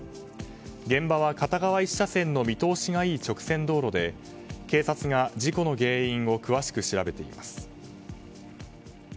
現場は片側１車線の見通しのいい直線道路で警察が事故の原因を詳しく調べています。